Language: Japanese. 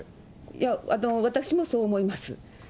いや、私もそう思います。